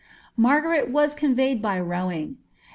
^' Margaret was conveyed by rowing.